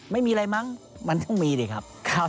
ไม่มีอะไรมั้งมันต้องมีดิครับ